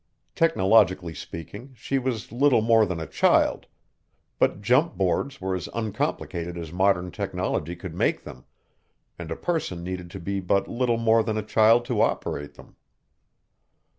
Technologically speaking, she was little more than a child, but jump boards were as uncomplicated as modern technology could make them, and a person needed to be but little more than a child to operate them.